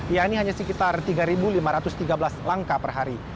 ya ini hanya sekitar tiga lima ratus tiga belas langkah per hari